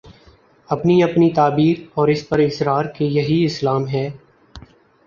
اپنی اپنی تعبیر اور اس پر اصرار کہ یہی اسلام ہے۔